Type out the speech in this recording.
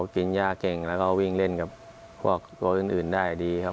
กินยากเก่งแล้วก็วิ่งเล่นกับพวกตัวอื่นได้ดีครับ